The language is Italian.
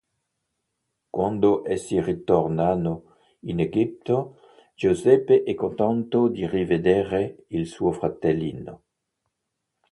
Quando essi ritornano in Egitto Giuseppe è contento di rivedere il suo fratellino.